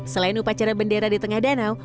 selain upacara bendera di tengah danau